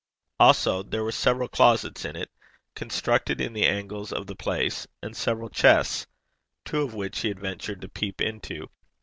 Also there were several closets in it, constructed in the angles of the place, and several chests two of which he had ventured to peep into.